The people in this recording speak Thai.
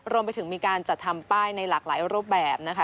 รวมไปถึงมีการจัดทำป้ายในหลากหลายรูปแบบนะคะ